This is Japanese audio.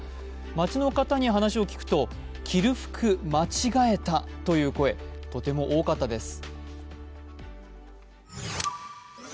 街の方に話を聞くと、着る服間違えたという声、とても多かったです。